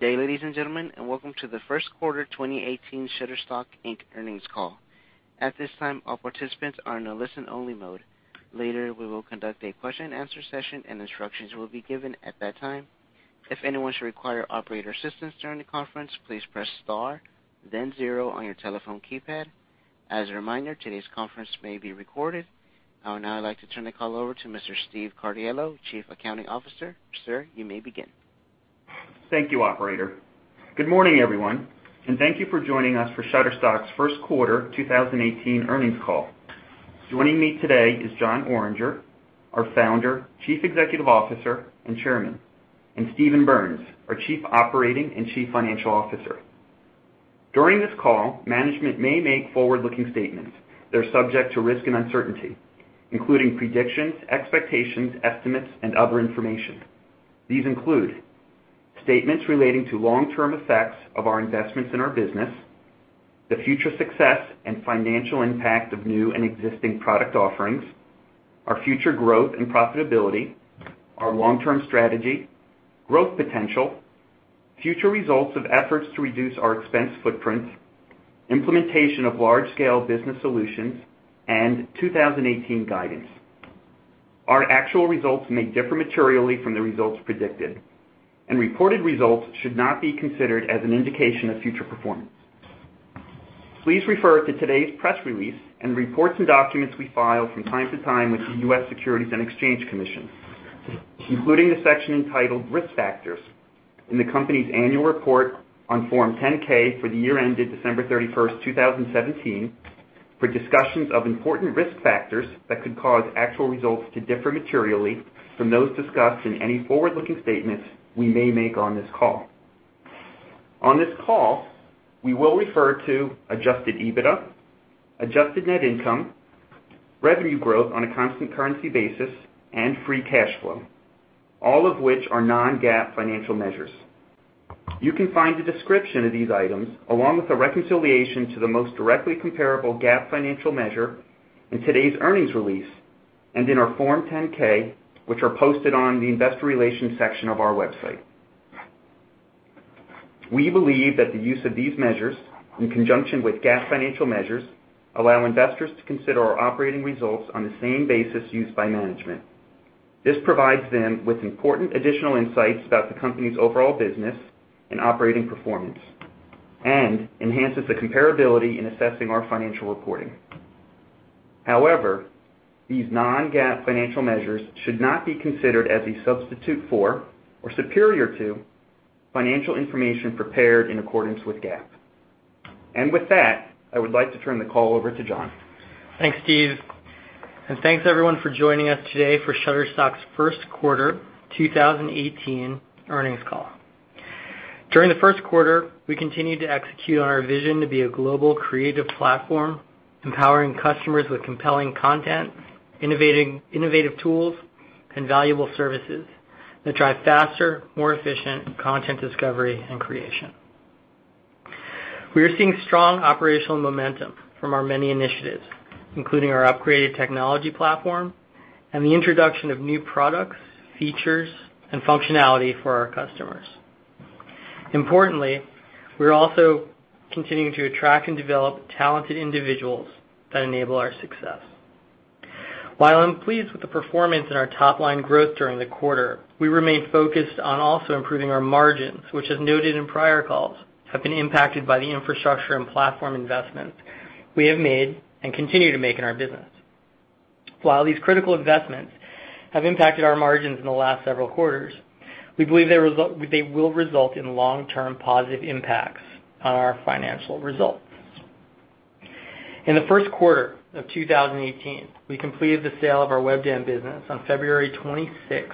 Good day, ladies and gentlemen, and welcome to the first quarter 2018 Shutterstock, Inc. earnings call. At this time, all participants are in a listen-only mode. Later, we will conduct a question-and-answer session, and instructions will be given at that time. If anyone should require operator assistance during the conference, please press star, then zero on your telephone keypad. As a reminder, today's conference may be recorded. I would now like to turn the call over to Mr. Steven Cardello, Chief Accounting Officer. Sir, you may begin. Thank you, operator. Good morning, everyone, and thank you for joining us for Shutterstock's first quarter 2018 earnings call. Joining me today is Jon Oringer, our Founder, Chief Executive Officer, and Chairman, and Steven Berns, our Chief Operating and Chief Financial Officer. During this call, management may make forward-looking statements that are subject to risk and uncertainty, including predictions, expectations, estimates, and other information. These include statements relating to long-term effects of our investments in our business, the future success and financial impact of new and existing product offerings, our future growth and profitability, our long-term strategy, growth potential, future results of efforts to reduce our expense footprint, implementation of large-scale business solutions, and 2018 guidance. Our actual results may differ materially from the results predicted, and reported results should not be considered as an indication of future performance. Please refer to today's press release and reports and documents we file from time to time with the U.S. Securities and Exchange Commission, including the section entitled Risk Factors in the company's annual report on Form 10-K for the year ended December 31st, 2017, for discussions of important risk factors that could cause actual results to differ materially from those discussed in any forward-looking statements we may make on this call. On this call, we will refer to Adjusted EBITDA, Adjusted Net Income, revenue growth on a constant currency basis, and free cash flow, all of which are non-GAAP financial measures. You can find a description of these items along with a reconciliation to the most directly comparable GAAP financial measure in today's earnings release and in our Form 10-K, which are posted on the investor relations section of our website. We believe that the use of these measures, in conjunction with GAAP financial measures, allow investors to consider our operating results on the same basis used by management. This provides them with important additional insights about the company's overall business and operating performance and enhances the comparability in assessing our financial reporting. However, these non-GAAP financial measures should not be considered as a substitute for or superior to financial information prepared in accordance with GAAP. With that, I would like to turn the call over to Jon. Thanks, Steve. Thanks everyone for joining us today for Shutterstock's first quarter 2018 earnings call. During the first quarter, we continued to execute on our vision to be a global creative platform, empowering customers with compelling content, innovative tools, and valuable services that drive faster, more efficient content discovery and creation. We are seeing strong operational momentum from our many initiatives, including our upgraded technology platform and the introduction of new products, features, and functionality for our customers. Importantly, we're also continuing to attract and develop talented individuals that enable our success. While I'm pleased with the performance in our top-line growth during the quarter, we remain focused on also improving our margins, which, as noted in prior calls, have been impacted by the infrastructure and platform investments we have made and continue to make in our business. While these critical investments have impacted our margins in the last several quarters, we believe they will result in long-term positive impacts on our financial results. In the first quarter of 2018, we completed the sale of our Webdam business on February 26th,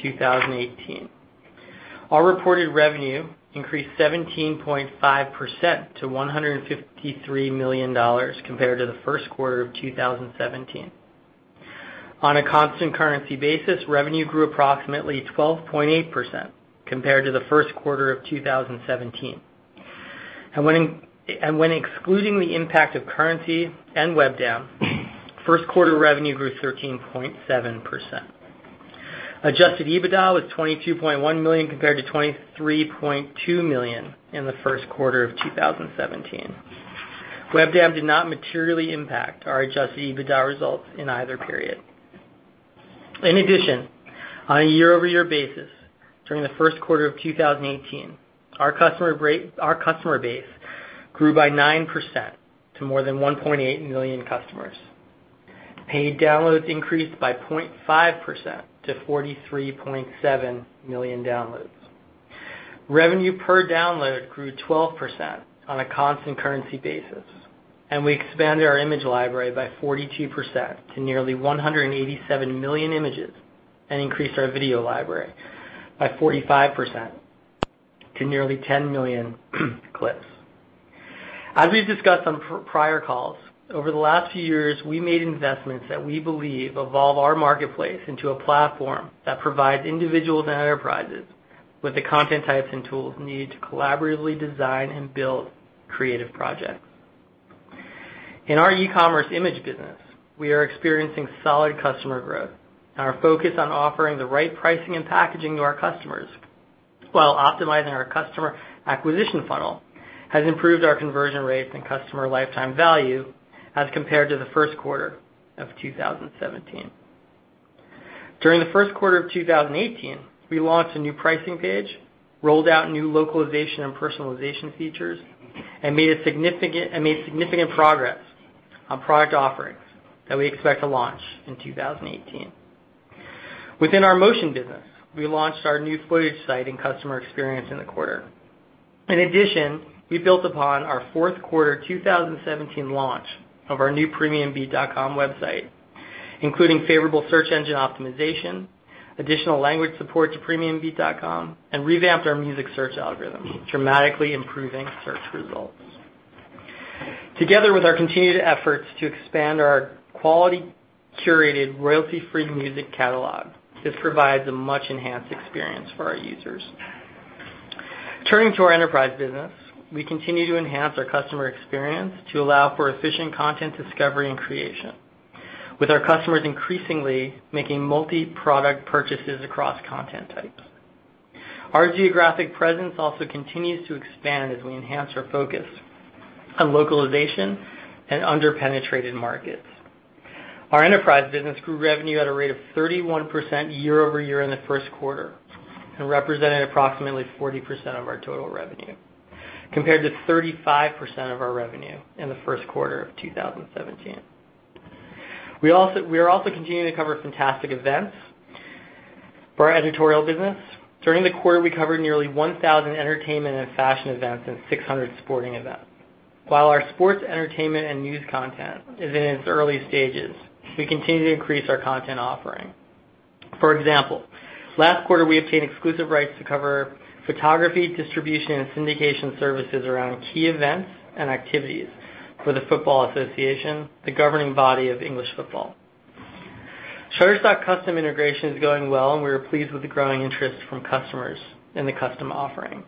2018. Our reported revenue increased 17.5% to $153 million compared to the first quarter of 2017. On a constant currency basis, revenue grew approximately 12.8% compared to the first quarter of 2017. When excluding the impact of currency and Webdam, first quarter revenue grew 13.7%. Adjusted EBITDA was $22.1 million compared to $23.2 million in the first quarter of 2017. Webdam did not materially impact our Adjusted EBITDA results in either period. In addition, on a year-over-year basis, during the first quarter of 2018, our customer base grew by 9% to more than 1.8 million customers. Paid downloads increased by 0.5% to 43.7 million downloads. Revenue per download grew 12% on a constant currency basis. We expanded our image library by 42% to nearly 187 million images, and increased our video library by 45% to nearly 10 million clips. As we've discussed on prior calls, over the last few years, we made investments that we believe evolve our marketplace into a platform that provides individuals and enterprises with the content types and tools needed to collaboratively design and build creative projects. In our e-commerce image business, we are experiencing solid customer growth. Our focus on offering the right pricing and packaging to our customers, while optimizing our customer acquisition funnel, has improved our conversion rates and customer lifetime value as compared to the first quarter of 2017. During the first quarter of 2018, we launched a new pricing page, rolled out new localization and personalization features, and made significant progress on product offerings that we expect to launch in 2018. Within our motion business, we launched our new footage site and customer experience in the quarter. In addition, we built upon our fourth quarter 2017 launch of our new premiumbeat.com website, including favorable search engine optimization, additional language support to premiumbeat.com, and revamped our music search algorithm, dramatically improving search results. Together with our continued efforts to expand our quality, curated, royalty-free music catalog, this provides a much enhanced experience for our users. Turning to our enterprise business, we continue to enhance our customer experience to allow for efficient content discovery and creation, with our customers increasingly making multi-product purchases across content types. Our geographic presence also continues to expand as we enhance our focus on localization and under-penetrated markets. Our enterprise business grew revenue at a rate of 31% year-over-year in the first quarter, and represented approximately 40% of our total revenue, compared to 35% of our revenue in the first quarter of 2017. We are also continuing to cover fantastic events for our editorial business. During the quarter, we covered nearly 1,000 entertainment and fashion events and 600 sporting events. While our sports entertainment and news content is in its early stages, we continue to increase our content offering. For example, last quarter we obtained exclusive rights to cover photography, distribution, and syndication services around key events and activities for The Football Association, the governing body of English football. Shutterstock Custom integration is going well, and we are pleased with the growing interest from customers in the custom offering.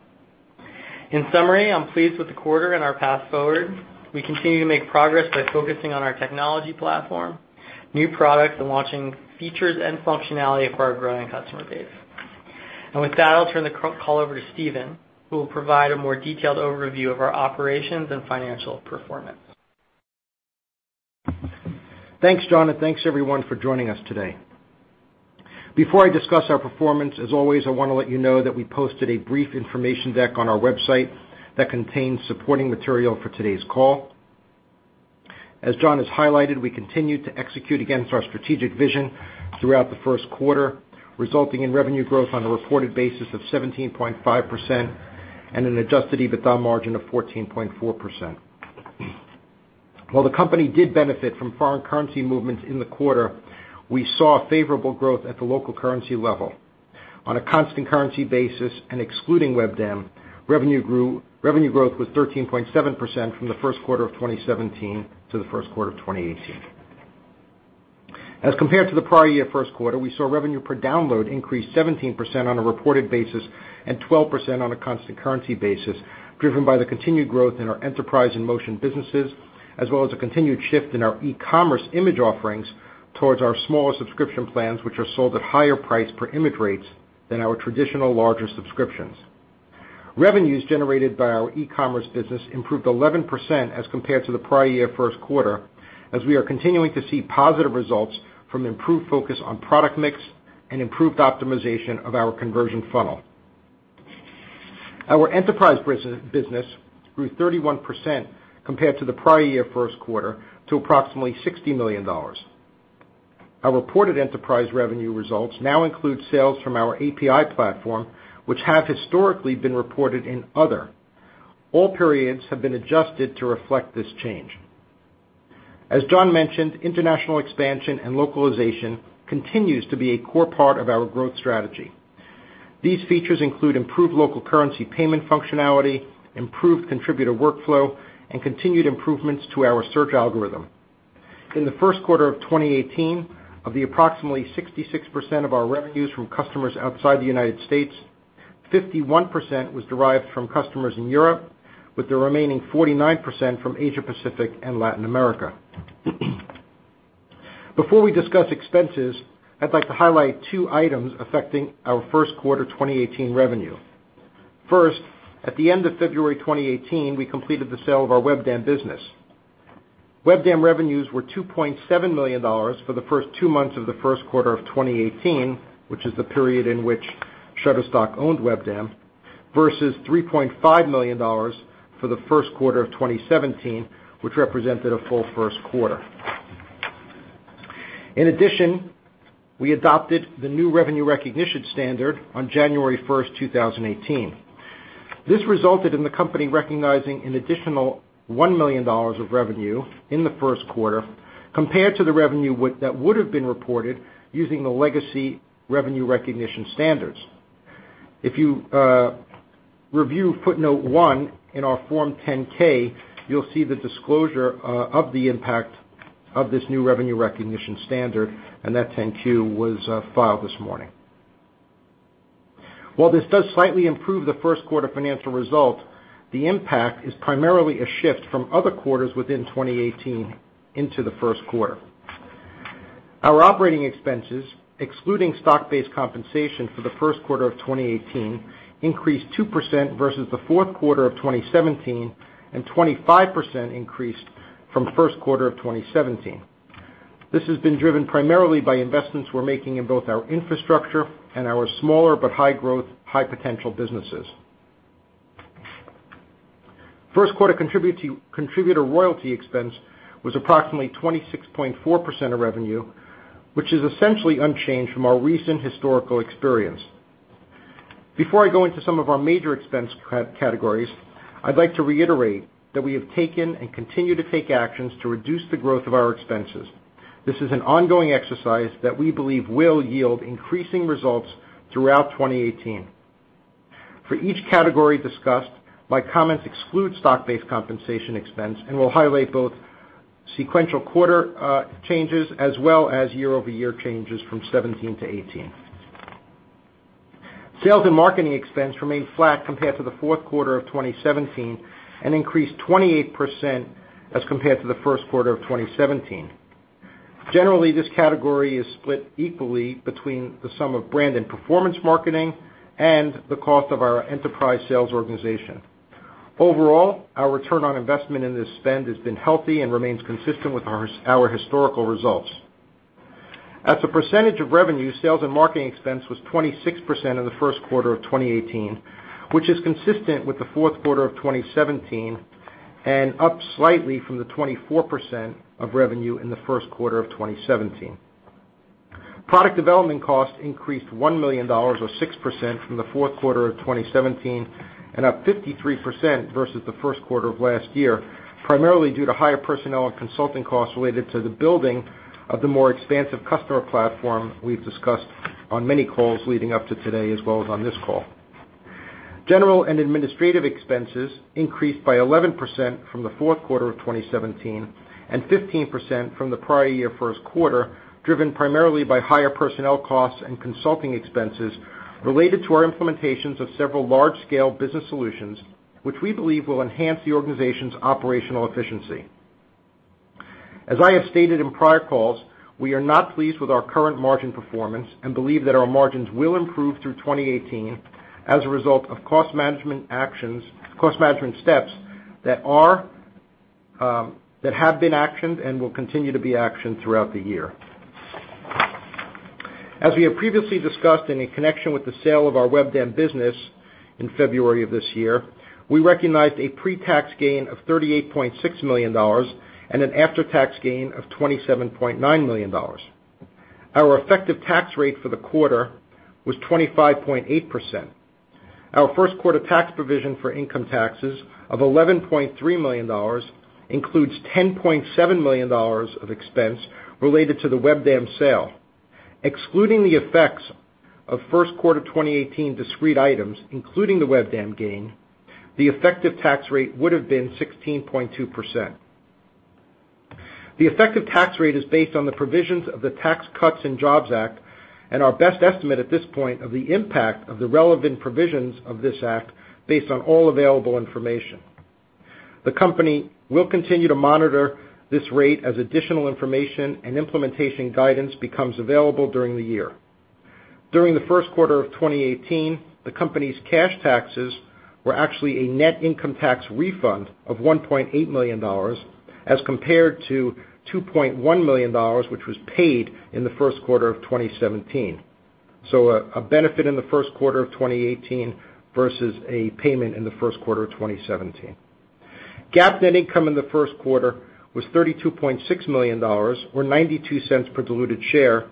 In summary, I'm pleased with the quarter and our path forward. We continue to make progress by focusing on our technology platform, new products, and launching features and functionality for our growing customer base. With that, I'll turn the call over to Steven, who will provide a more detailed overview of our operations and financial performance. Thanks, Jon, and thanks, everyone, for joining us today. Before I discuss our performance, as always, I want to let you know that we posted a brief information deck on our website that contains supporting material for today's call. As Jon has highlighted, we continued to execute against our strategic vision throughout the first quarter, resulting in revenue growth on a reported basis of 17.5% and an Adjusted EBITDA margin of 14.4%. While the company did benefit from foreign currency movements in the quarter, we saw a favorable growth at the local currency level. On a constant currency basis and excluding Webdam, revenue growth was 13.7% from the first quarter of 2017 to the first quarter of 2018. As compared to the prior year first quarter, we saw revenue per download increase 17% on a reported basis and 12% on a constant currency basis, driven by the continued growth in our enterprise in-motion businesses, as well as a continued shift in our e-commerce image offerings towards our smaller subscription plans, which are sold at higher price per image rates than our traditional larger subscriptions. Revenues generated by our e-commerce business improved 11% as compared to the prior year first quarter, as we are continuing to see positive results from improved focus on product mix and improved optimization of our conversion funnel. Our enterprise business grew 31% compared to the prior year first quarter to approximately $60 million. Our reported enterprise revenue results now include sales from our API platform, which have historically been reported in other. All periods have been adjusted to reflect this change. As Jon mentioned, international expansion and localization continues to be a core part of our growth strategy. These features include improved local currency payment functionality, improved contributor workflow, and continued improvements to our search algorithm. In the first quarter of 2018, of the approximately 66% of our revenues from customers outside the U.S., 51% was derived from customers in Europe, with the remaining 49% from Asia-Pacific and Latin America. Before we discuss expenses, I'd like to highlight two items affecting our first quarter 2018 revenue. First, at the end of February 2018, we completed the sale of our Webdam business. Webdam revenues were $2.7 million for the first two months of the first quarter of 2018, which is the period in which Shutterstock owned Webdam, versus $3.5 million for the first quarter of 2017, which represented a full first quarter. In addition, we adopted the new revenue recognition standard on January 1st, 2018. This resulted in the company recognizing an additional $1 million of revenue in the first quarter compared to the revenue that would've been reported using the legacy revenue recognition standards. If you review footnote one in our Form 10-K, you'll see the disclosure of the impact of this new revenue recognition standard, and that 10-Q was filed this morning. While this does slightly improve the first quarter financial result, the impact is primarily a shift from other quarters within 2018 into the first quarter. Our operating expenses, excluding stock-based compensation for the first quarter of 2018, increased 2% versus the fourth quarter of 2017, and 25% increased from the first quarter of 2017. This has been driven primarily by investments we're making in both our infrastructure and our smaller, but high-growth, high-potential businesses. First quarter contributor royalty expense was approximately 26.4% of revenue, which is essentially unchanged from our recent historical experience. Before I go into some of our major expense categories, I'd like to reiterate that we have taken and continue to take actions to reduce the growth of our expenses. This is an ongoing exercise that we believe will yield increasing results throughout 2018. For each category discussed, my comments exclude stock-based compensation expense and will highlight both sequential quarter changes as well as year-over-year changes from 2017 to 2018. Sales and marketing expense remained flat compared to the fourth quarter of 2017, and increased 28% as compared to the first quarter of 2017. Generally, this category is split equally between the sum of brand and performance marketing, and the cost of our enterprise sales organization. Overall, our return on investment in this spend has been healthy and remains consistent with our historical results. As a percentage of revenue, sales and marketing expense was 26% in the first quarter of 2018, which is consistent with the fourth quarter of 2017, and up slightly from the 24% of revenue in the first quarter of 2017. Product development costs increased $1 million, or 6%, from the fourth quarter of 2017, and up 53% versus the first quarter of last year, primarily due to higher personnel and consulting costs related to the building of the more expansive customer platform we've discussed on many calls leading up to today, as well as on this call. General and administrative expenses increased by 11% from the fourth quarter of 2017, and 15% from the prior year first quarter, driven primarily by higher personnel costs and consulting expenses related to our implementations of several large-scale business solutions, which we believe will enhance the organization's operational efficiency. As I have stated in prior calls, we are not pleased with our current margin performance, and believe that our margins will improve through 2018 as a result of cost management steps that have been actioned and will continue to be actioned throughout the year. As we have previously discussed in connection with the sale of our Webdam business in February of this year, we recognized a pre-tax gain of $38.6 million, and an after-tax gain of $27.9 million. Our effective tax rate for the quarter was 25.8%. Our first quarter tax provision for income taxes of $11.3 million includes $10.7 million of expense related to the Webdam sale. Excluding the effects of first quarter 2018 discrete items, including the Webdam gain, the effective tax rate would've been 16.2%. The effective tax rate is based on the provisions of the Tax Cuts and Jobs Act, and our best estimate at this point of the impact of the relevant provisions of this act, based on all available information. The company will continue to monitor this rate as additional information and implementation guidance becomes available during the year. During the first quarter of 2018, the company's cash taxes were actually a net income tax refund of $1.8 million as compared to $2.1 million which was paid in the first quarter of 2017. A benefit in the first quarter of 2018 versus a payment in the first quarter of 2017. GAAP net income in the first quarter was $32.6 million, or $0.92 per diluted share.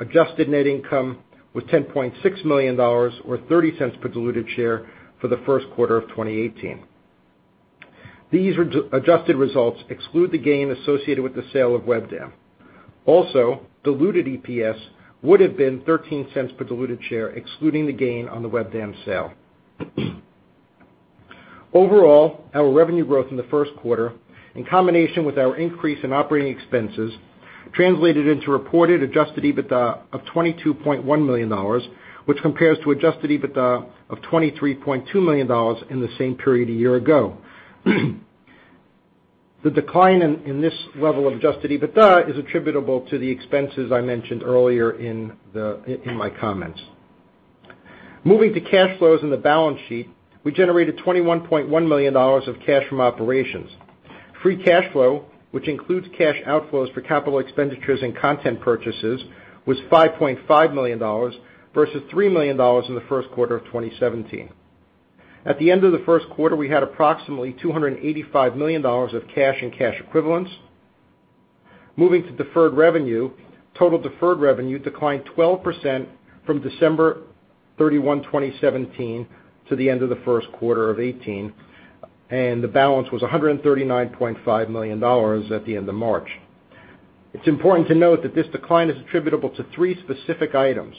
Adjusted net income was $10.6 million, or $0.30 per diluted share for the first quarter of 2018. These adjusted results exclude the gain associated with the sale of Webdam. Diluted EPS would've been $0.13 per diluted share, excluding the gain on the Webdam sale. Overall, our revenue growth in the first quarter, in combination with our increase in operating expenses, translated into reported Adjusted EBITDA of $22.1 million, which compares to Adjusted EBITDA of $23.2 million in the same period a year ago. The decline in this level of Adjusted EBITDA is attributable to the expenses I mentioned earlier in my comments. Moving to cash flows in the balance sheet, we generated $21.1 million of cash from operations. Free cash flow, which includes cash outflows for capital expenditures and content purchases, was $5.5 million versus $3 million in the first quarter of 2017. At the end of the first quarter, we had approximately $285 million of cash and cash equivalents. Moving to deferred revenue, total deferred revenue declined 12% from December 31, 2017, to the end of the first quarter of 2018, and the balance was $139.5 million at the end of March. It's important to note that this decline is attributable to three specific items.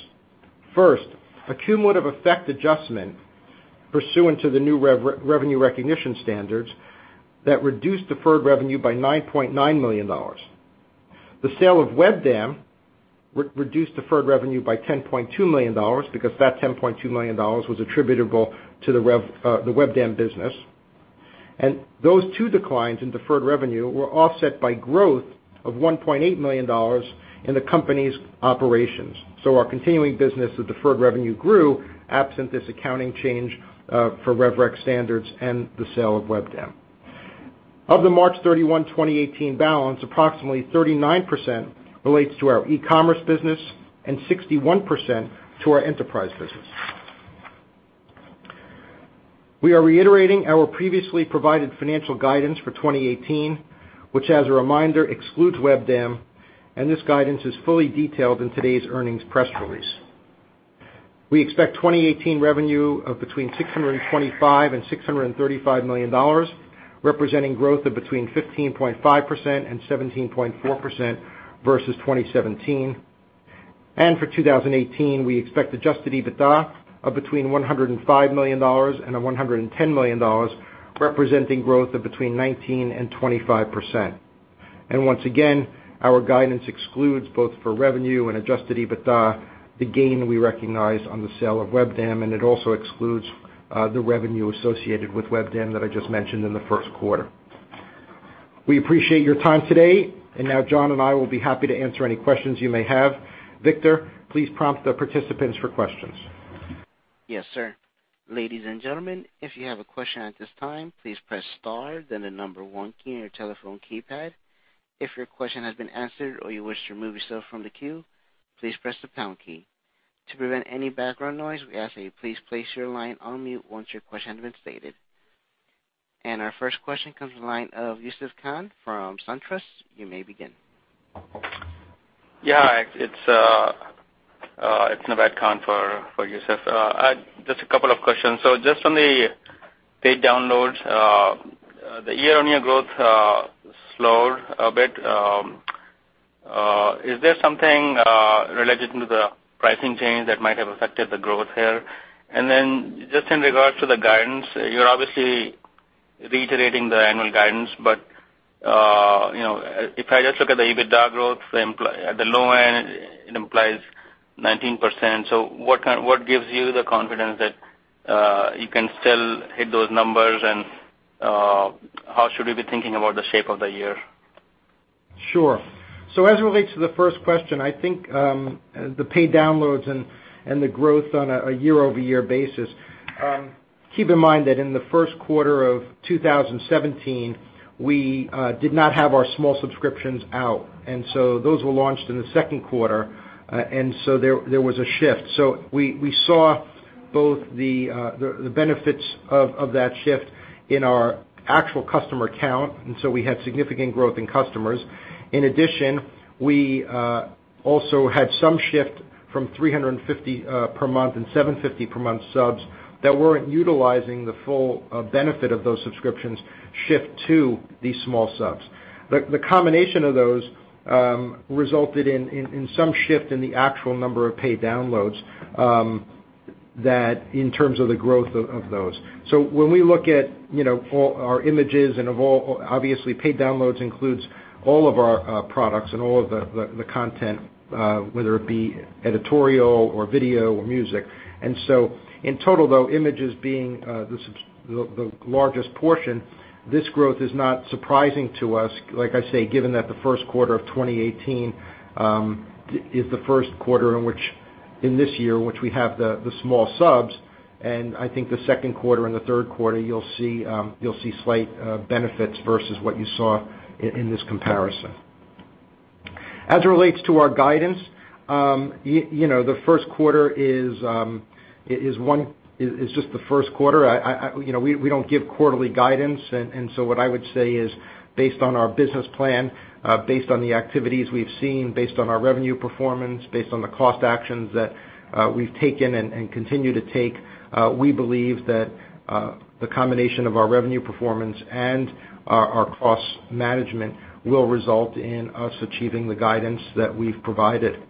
First, a cumulative effect adjustment pursuant to the new revenue recognition standards that reduced deferred revenue by $9.9 million. The sale of Webdam reduced deferred revenue by $10.2 million because that $10.2 million was attributable to the Webdam business. Those two declines in deferred revenue were offset by growth of $1.8 million in the company's operations. Our continuing business of deferred revenue grew absent this accounting change for rev rec standards and the sale of Webdam. Of the March 31, 2018, balance, approximately 39% relates to our e-commerce business and 61% to our enterprise business. We are reiterating our previously provided financial guidance for 2018, which as a reminder, excludes Webdam, and this guidance is fully detailed in today's earnings press release. We expect 2018 revenue of between $625 million and $635 million, representing growth of between 15.5% and 17.4% versus 2017. For 2018, we expect Adjusted EBITDA of between $105 million and $110 million, representing growth of between 19% and 25%. Once again, our guidance excludes both for revenue and Adjusted EBITDA, the gain we recognized on the sale of Webdam, and it also excludes the revenue associated with Webdam that I just mentioned in the first quarter. We appreciate your time today. Now Jon and I will be happy to answer any questions you may have. Victor, please prompt the participants for questions. Yes, sir. Ladies and gentlemen, if you have a question at this time, please press star then the number one key on your telephone keypad. If your question has been answered or you wish to remove yourself from the queue, please press the pound key. To prevent any background noise, we ask that you please place your line on mute once your question has been stated. Our first question comes from the line of Youssef Squali from SunTrust. You may begin. Yeah. It's Naved Khan for Youssef. Just a couple of questions. Just on the paid downloads, the year-on-year growth slowed a bit. Is there something related to the pricing change that might have affected the growth here? Then just in regards to the guidance, you're obviously reiterating the annual guidance, but if I just look at the EBITDA growth at the low end, it implies 19%. What gives you the confidence that you can still hit those numbers? How should we be thinking about the shape of the year? Sure. As it relates to the first question, I think, the paid downloads and the growth on a year-over-year basis. Keep in mind that in the first quarter of 2017, we did not have our small subscriptions out, and those were launched in the second quarter, and there was a shift. We saw both the benefits of that shift in our actual customer count, and we had significant growth in customers. In addition, we also had some shift from 350 per month and 750 per month subs that weren't utilizing the full benefit of those subscriptions shift to these small subs. The combination of those resulted in some shift in the actual number of paid downloads in terms of the growth of those. When we look at all our images and obviously, paid downloads includes all of our products and all of the content, whether it be editorial or video or music. In total, though, images being the largest portion, this growth is not surprising to us, like I say, given that the first quarter of 2018, is the first quarter in this year in which we have the small subs, and I think the second quarter and the third quarter, you'll see slight benefits versus what you saw in this comparison. As it relates to our guidance, the first quarter is just the first quarter. We don't give quarterly guidance, what I would say is based on our business plan, based on the activities we've seen, based on our revenue performance, based on the cost actions that we've taken and continue to take, we believe that the combination of our revenue performance and our cost management will result in us achieving the guidance that we've provided.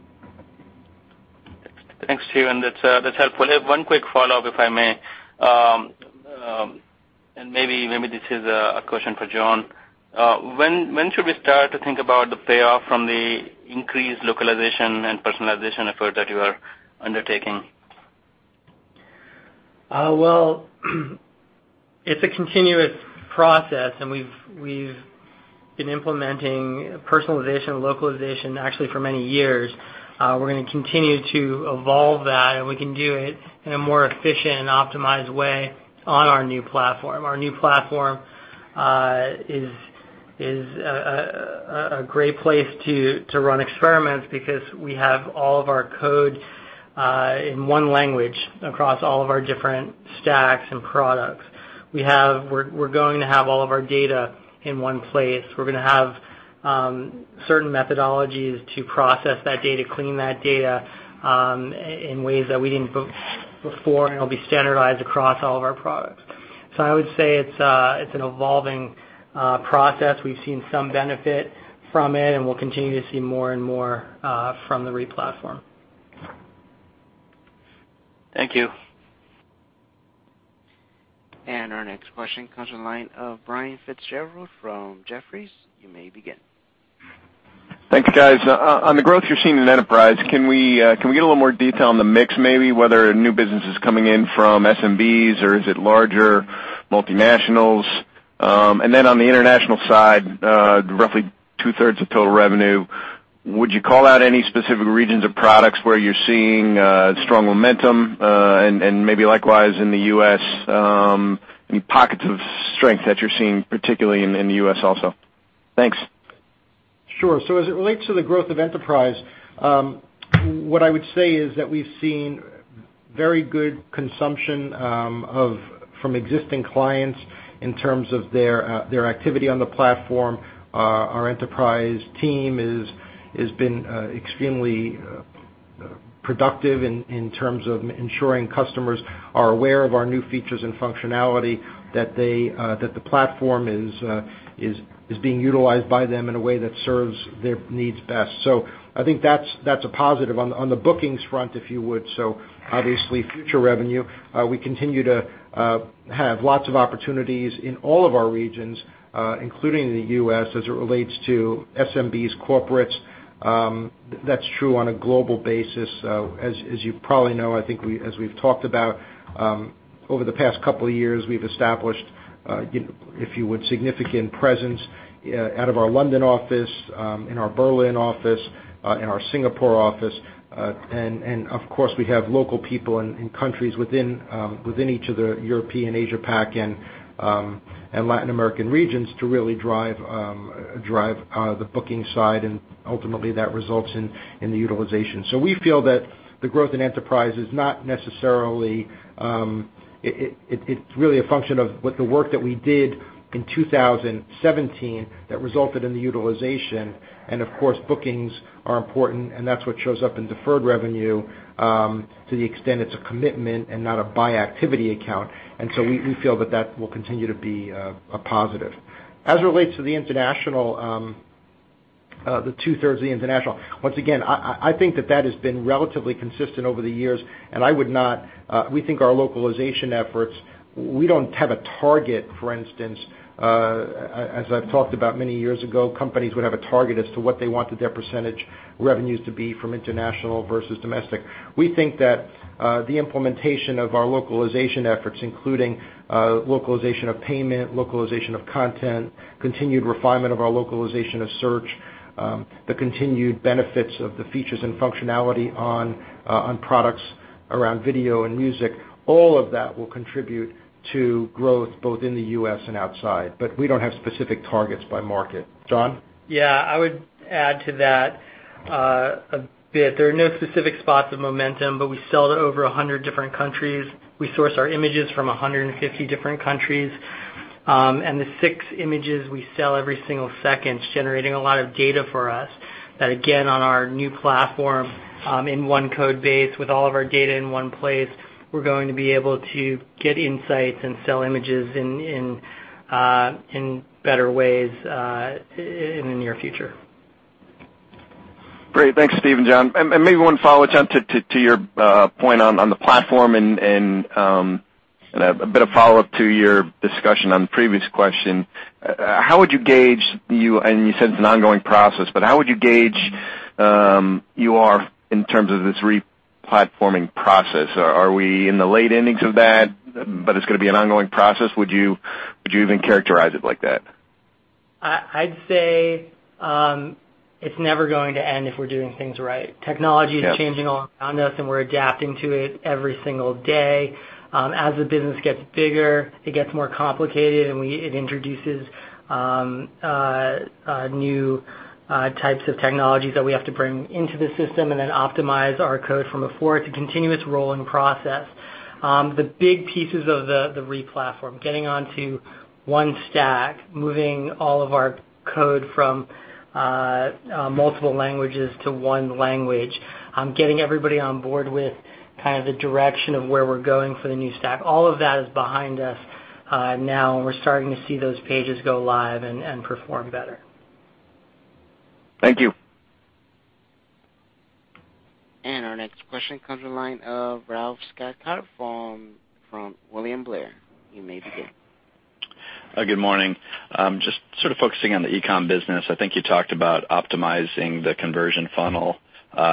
Thanks, Steve, that's helpful. I have one quick follow-up, if I may. Maybe this is a question for Jon. When should we start to think about the payoff from the increased localization and personalization effort that you are undertaking? It's a continuous process. We've been implementing personalization, localization actually for many years. We're going to continue to evolve that. We can do it in a more efficient and optimized way on our new platform. Our new platform is a great place to run experiments because we have all of our code in one language across all of our different stacks and products. We're going to have all of our data in one place. We're going to have certain methodologies to process that data, clean that data in ways that we didn't before. It'll be standardized across all of our products. I would say it's an evolving process. We've seen some benefit from it. We'll continue to see more and more from the re-platform. Thank you. Our next question comes on the line of Brian Fitzgerald from Jefferies. You may begin. Thanks, guys. On the growth you're seeing in enterprise, can we get a little more detail on the mix, maybe whether new business is coming in from SMBs or is it larger multinationals? On the international side, roughly two-thirds of total revenue, would you call out any specific regions of products where you're seeing strong momentum? Maybe likewise in the U.S., any pockets of strength that you're seeing, particularly in the U.S. also. Thanks. Sure. As it relates to the growth of enterprise, what I would say is that we've seen very good consumption from existing clients in terms of their activity on the platform. Our enterprise team has been extremely productive in terms of ensuring customers are aware of our new features and functionality that the platform is being utilized by them in a way that serves their needs best. I think that's a positive. On the bookings front, if you would, obviously future revenue, we continue to have lots of opportunities in all of our regions, including the U.S. as it relates to SMBs corporates. That's true on a global basis. As you probably know, I think as we've talked about, over the past couple of years, we've established, if you would, significant presence out of our London office, in our Berlin office, in our Singapore office. We have local people in countries within each of the European, Asia-Pac, and Latin American regions to really drive the booking side, and ultimately that results in the utilization. We feel that the growth in enterprise, it's really a function of the work that we did in 2017 that resulted in the utilization, and of course, bookings are important, and that's what shows up in deferred revenue, to the extent it's a commitment and not a buy activity account. We feel that that will continue to be a positive. As it relates to the two-thirds of the international, once again, I think that that has been relatively consistent over the years, and we think our localization efforts, we don't have a target, for instance, as I've talked about many years ago, companies would have a target as to what they wanted their percentage revenues to be from international versus domestic. We think that the implementation of our localization efforts, including localization of payment, localization of content, continued refinement of our localization of search, the continued benefits of the features and functionality on products around video and music, all of that will contribute to growth both in the U.S. and outside. We don't have specific targets by market. Jon? Yeah, I would add to that a bit. There are no specific spots of momentum, but we sell to over 100 different countries. We source our images from 150 different countries. The six images we sell every single second is generating a lot of data for us that, again, on our new platform, in one code base with all of our data in one place, we're going to be able to get insights and sell images in better ways in the near future. Great. Thanks, Steve and Jon. Maybe one follow-up, Jon, to your point on the platform and a bit of follow-up to your discussion on the previous question. You said it's an ongoing process, but how would you gauge you are in terms of this re-platforming process? Are we in the late innings of that, but it's going to be an ongoing process? Would you even characterize it like that? I'd say it's never going to end if we're doing things right. Yes. Technology is changing all around us, we're adapting to it every single day. As the business gets bigger, it gets more complicated, and it introduces new types of technologies that we have to bring into the system and then optimize our code from before. It's a continuous rolling process. The big pieces of the re-platform, getting onto one stack, moving all of our code from multiple languages to one language, getting everybody on board with the direction of where we're going for the new stack, all of that is behind us now, and we're starting to see those pages go live and perform better. Thank you. Our next question comes in line of Ralph Schackart from William Blair. You may begin. Good morning. Just focusing on the e-com business. I think you talked about optimizing the conversion funnel,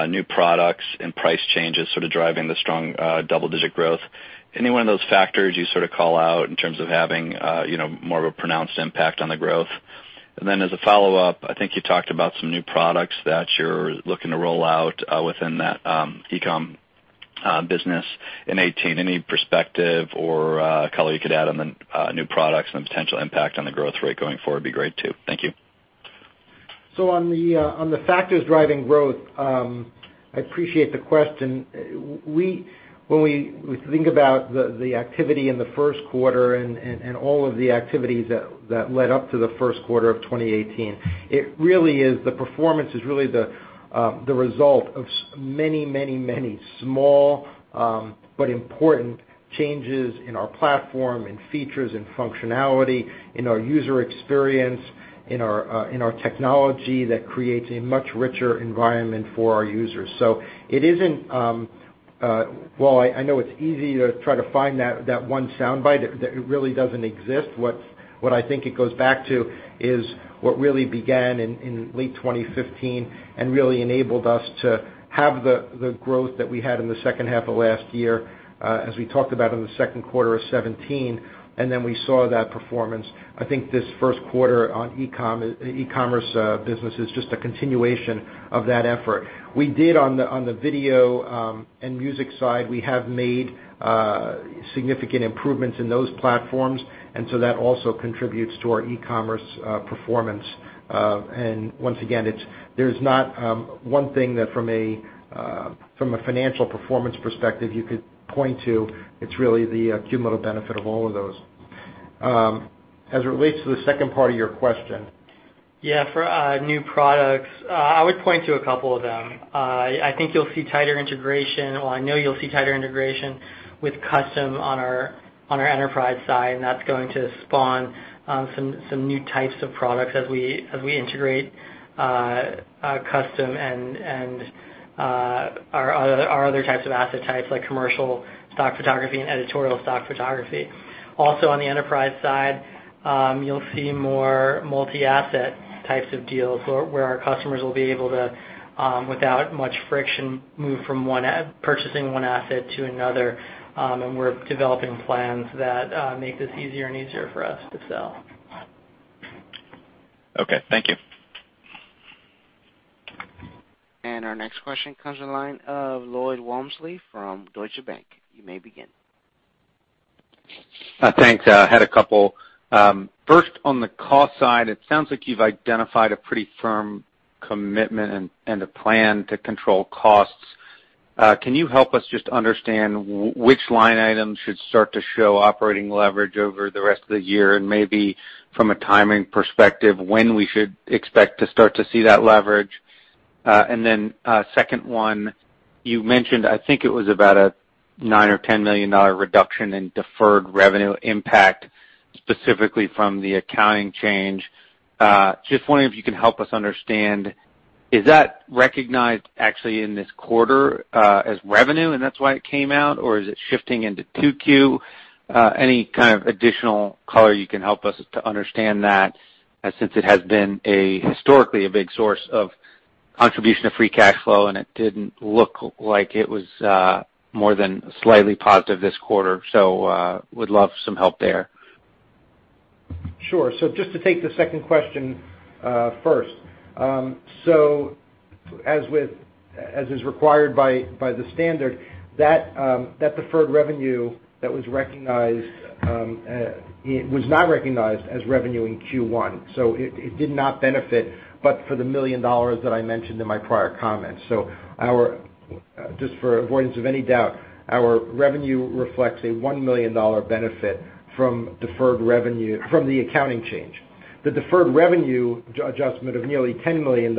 new products, and price changes driving the strong double-digit growth. Any one of those factors you call out in terms of having more of a pronounced impact on the growth? As a follow-up, I think you talked about some new products that you're looking to roll out within that e-com business in 2018. Any perspective or color you could add on the new products and the potential impact on the growth rate going forward would be great, too. Thank you. On the factors driving growth, I appreciate the question. When we think about the activity in the first quarter and all of the activities that led up to the first quarter of 2018, the performance is really the result of many small but important changes in our platform, in features and functionality, in our user experience, in our technology that creates a much richer environment for our users. While I know it's easy to try to find that one soundbite, it really doesn't exist. What I think it goes back to is what really began in late 2015 and really enabled us to have the growth that we had in the second half of last year, as we talked about in the second quarter of 2017. We saw that performance. I think this first quarter on e-commerce business is just a continuation of that effort. On the video and music side, we have made significant improvements in those platforms. That also contributes to our e-commerce performance. Once again, there's not one thing that from a financial performance perspective you could point to. It's really the cumulative benefit of all of those. As it relates to the second part of your question. For new products, I would point to a couple of them. I know you'll see tighter integration with Custom on our enterprise side, and that's going to spawn some new types of products as we integrate Custom and our other types of asset types, like commercial stock photography and editorial stock photography. Also on the enterprise side, you'll see more multi-asset types of deals where our customers will be able to, without much friction, move from purchasing one asset to another. We're developing plans that make this easier and easier for us to sell. Okay, thank you. Our next question comes to the line of Lloyd Walmsley from Deutsche Bank. You may begin. Thanks. I had a couple. First, on the cost side, it sounds like you've identified a pretty firm commitment and a plan to control costs. Can you help us just understand which line items should start to show operating leverage over the rest of the year, and maybe from a timing perspective, when we should expect to start to see that leverage? Second one, you mentioned, I think it was about a $9 or $10 million reduction in deferred revenue impact, specifically from the accounting change. Just wondering if you can help us understand, is that recognized actually in this quarter as revenue, and that's why it came out? Or is it shifting into 2Q? Any kind of additional color you can help us to understand that, since it has been historically a big source of contribution of free cash flow and it didn't look like it was more than slightly positive this quarter. Would love some help there. Sure. Just to take the second question first. As is required by the standard, that deferred revenue that was recognized, was not recognized as revenue in Q1. It did not benefit but for the $1 million that I mentioned in my prior comments. Just for avoidance of any doubt, our revenue reflects a $1 million benefit from the accounting change. The deferred revenue adjustment of nearly $10 million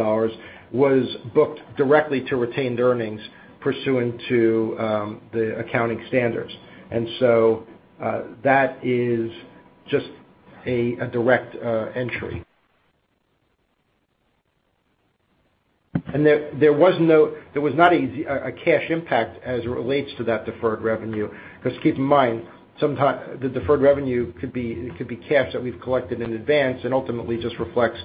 was booked directly to retained earnings pursuant to the accounting standards. That is just a direct entry. There was not a cash impact as it relates to that deferred revenue, because keep in mind, the deferred revenue, it could be cash that we've collected in advance and ultimately just reflects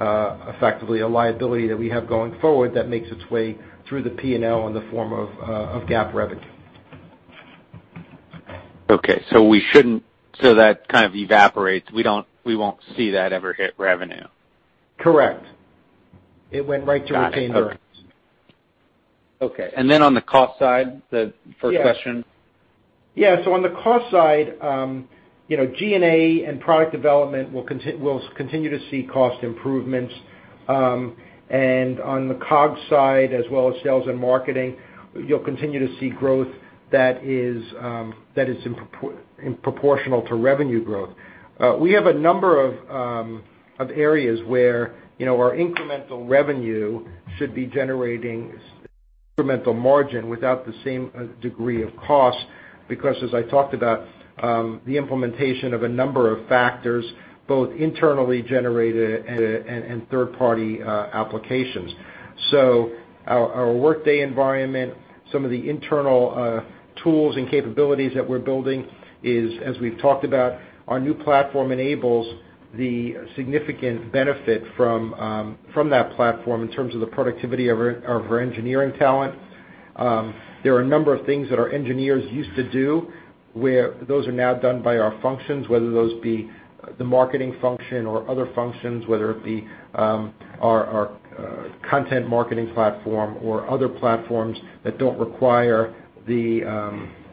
effectively a liability that we have going forward that makes its way through the P&L in the form of GAAP revenue. Okay. That kind of evaporates. We won't see that ever hit revenue. Correct. It went right to retained earnings. Okay. Then on the cost side, the first question. On the cost side, G&A and product development, we'll continue to see cost improvements. On the COGS side, as well as sales and marketing, you'll continue to see growth that is proportional to revenue growth. We have a number of areas where our incremental revenue should be generating incremental margin without the same degree of cost, because as I talked about, the implementation of a number of factors, both internally generated and third-party applications. Our Workday environment, some of the internal tools and capabilities that we're building is, as we've talked about, our new platform enables the significant benefit from that platform in terms of the productivity of our engineering talent. There are a number of things that our engineers used to do, where those are now done by our functions, whether those be the marketing function or other functions, whether it be our content marketing platform or other platforms that don't require the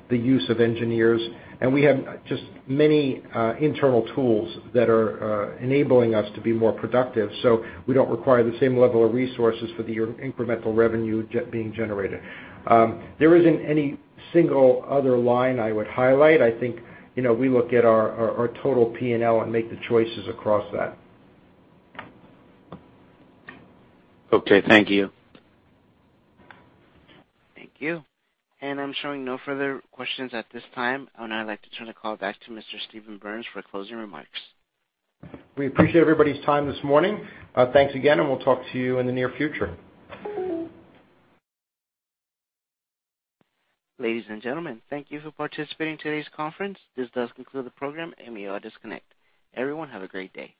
use of engineers. We have just many internal tools that are enabling us to be more productive, so we don't require the same level of resources for the incremental revenue being generated. There isn't any single other line I would highlight. I think we look at our total P&L and make the choices across that. Okay, thank you. Thank you. I'm showing no further questions at this time. I would now like to turn the call back to Mr. Steven Berns for closing remarks. We appreciate everybody's time this morning. Thanks again, and we'll talk to you in the near future. Ladies and gentlemen, thank you for participating in today's conference. This does conclude the program, and you may all disconnect. Everyone have a great day.